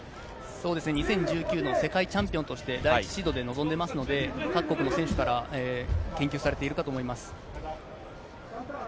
２０１９世界チャンピオンとして第１シードで臨んでいますので、各国選手から研究されているかと思います。